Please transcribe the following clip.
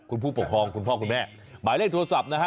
คุณผู้ปกครองคุณพ่อคุณแม่หมายเลขโทรศัพท์นะฮะ